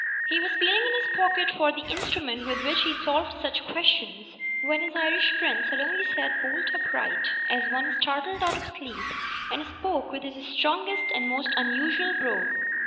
He was feeling in his pocket for the instrument with which he solved such questions, when his Irish friend suddenly sat bolt upright, as one startled out of sleep, and spoke with his strongest and most unusual brogue.